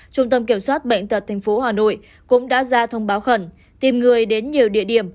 trung tâm kiểm soát bệnh tật tp hà nội cũng đã ra thông báo khẩn tìm người đến nhiều địa điểm